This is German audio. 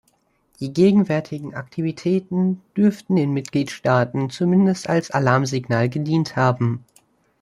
Die gegenwärtigen Aktivitäten dürften den Mitgliedstaaten zumindest als Alarmsignal gedient haben.